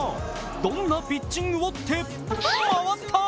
どんなピッチングを回った！